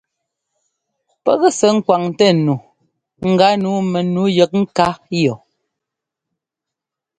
Pɛ́k sɛ́ ŋkwaŋtɛ nu gánǔu mɛnu yɛk ŋká yɔ.